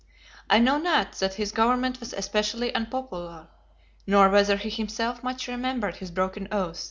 I know not that his government was especially unpopular, nor whether he himself much remembered his broken oath.